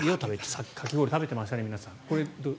さっきかき氷を食べてましたね。